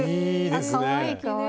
あかわいいかわいい。